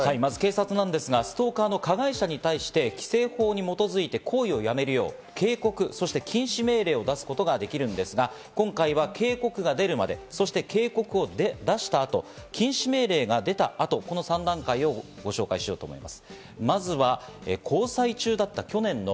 まず警察なんですがストーカー、加害者に対して規制法に基づいて行為をやめるよう警告や禁止命令を出すことができるんですが、今回のは、警告が出るまで警告後、禁止命令が出た後の３段階をご紹介しようと思います。